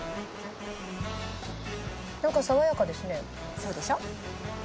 そうでしょ？